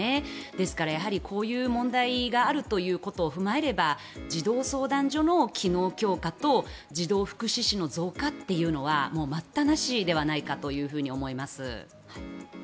ですから、こういう問題があるということを踏まえれば児童相談所の機能強化と児童福祉司の増加というのはもう待ったなしではないかなと思います。